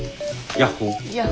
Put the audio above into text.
やっほ。